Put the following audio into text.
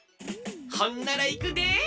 ほんならいくで！